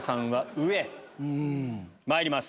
うん。まいります